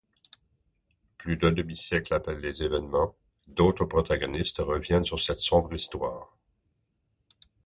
Plus d'un demi-siècle après les événements, d'autres protagonistes reviennent sur cette sombre histoire.